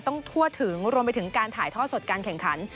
ทั่วถึงรวมไปถึงการถ่ายท่อสดการแข่งขัน